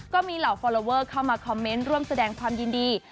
ก็มีเหล่าฟอลลอเวอร์เข้ามาคอมเมนต์ร่วมแสดงความยินดี